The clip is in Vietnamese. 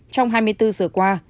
trong hai mươi bốn giờ qua